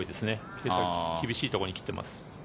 傾斜厳しいところに切ってます。